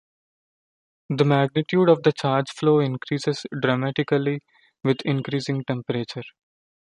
The magnitude of the charge flow increases dramatically with increasing temperature.